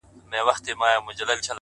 ځكه ځوانان ورانوي ځكه يې زړگي ورانوي ـ